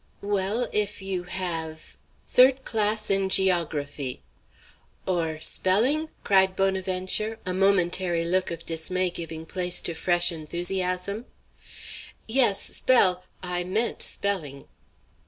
"Well, if you have third class in geography." "Or spelling?" cried Bonaventure, a momentary look of dismay giving place to fresh enthusiasm. "Yes spell I meant spelling."